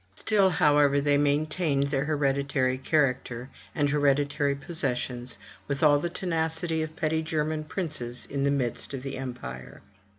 Still, however, they maintained their hered itary character, and hereditary possessions, with all the tenacity of petty German princes in the midst of the empire.